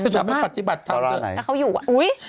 เขาบอกไปปฏิบัติธรรมแล้วเขาอยู่ว่าอุ๊ย